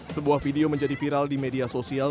sebuah video menjadi viral di media sosial